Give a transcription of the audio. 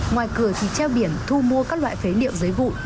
ngoài cửa thì treo biển thu mua các loại phế liệu giấy vụ